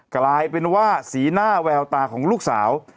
กลายเป็นว่าสีหน้าแววตาของลูกสาว